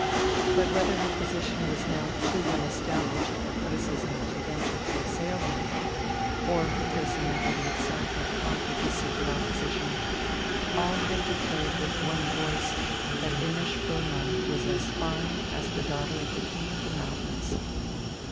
But whether her position was now too well established for criticism to venture to assail her, or her personality itself had conquered the secret opposition all had declared with one voice that Imma Spoelmann was as fine as the daughter of the King of the Mountains.